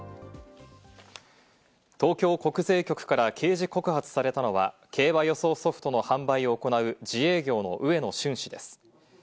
東京国税局から刑事告発されたのは、競馬予想ソフトの販売を行う自営業の植野瞬氏です。